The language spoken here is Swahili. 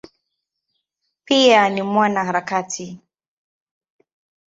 Pia ni mwanaharakati.